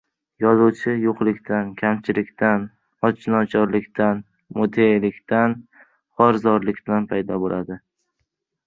Yozuvchi yo‘qlikdan, kamchilikdan, och-nochorlikdan, mutelikdan, xor-zorlikdan paydo bo‘ladi!